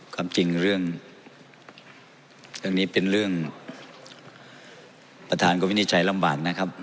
ความจริงเรื่องเรื่องนี้เป็นเรื่องประธานก็วินิจฉัยลำบากนะครับ